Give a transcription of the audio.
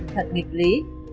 thật nghịch lý